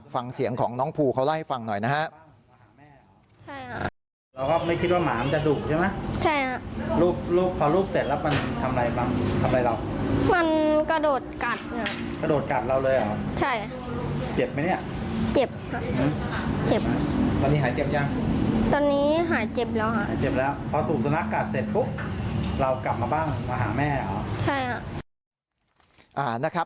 ฟังเสียงของน้องภูเขาเล่าให้ฟังหน่อยนะครับ